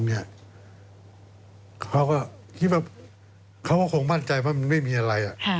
เขาก็คิดว่าเขาก็คงมั่นใจว่ามันไม่มีอะไร